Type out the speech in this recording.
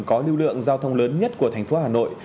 có lưu lượng giao thông lớn nhất của thành phố hà nội